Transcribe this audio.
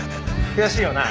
悔しいよな？